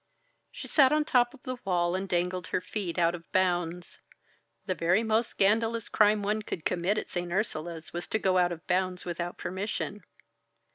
She sat on the top of the wall, and dangled her feet out of bounds. The very most scandalous crime one could commit at St. Ursula's was to go out of bounds without permission.